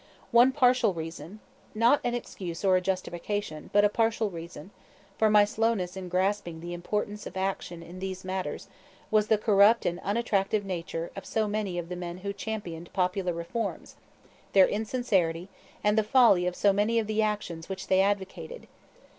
One partial reason not an excuse or a justification, but a partial reason for my slowness in grasping the importance of action in these matters was the corrupt and unattractive nature of so many of the men who championed popular reforms, their insincerity, and the folly of so many of the actions which they advocated.